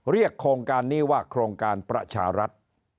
โครงการนี้ว่าโครงการประชารัฐ